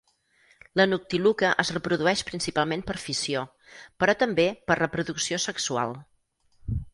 La noctiluca es reprodueix principalment per fissió, però també per reproducció sexual.